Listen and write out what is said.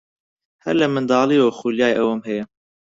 هەر لە منداڵییەوە خولیای ئەوەم هەیە.